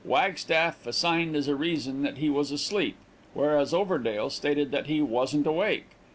Wagstaff assigned as a reason that he was asleep, whereas Overdale stated that he wasn't awake.